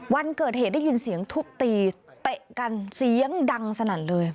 วันเกิดเหตุได้ยินเสียงทุบตีเตะกันเสียงดังสนั่นเลย